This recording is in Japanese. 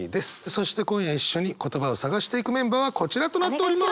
そして今夜一緒に言葉を探していくメンバーはこちらとなっております！